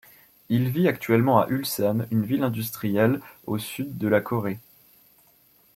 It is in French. Il vit actuellement à Ulsan, une ville industrielle au sud-ouest de la Corée.